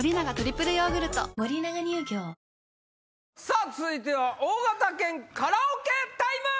さぁ続いては大型犬カラオケタイム！